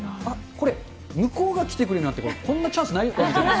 これ、向こうが来てくれるなんてこんなチャンスないのかもしれません。